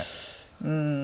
うん。